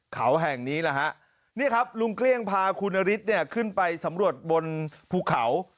เขาแห่งนี้แหละฮะนี่ครับลุงเกลี้ยงพาคุณนฤทธิ์เนี่ยขึ้นไปสำรวจบนภูเขา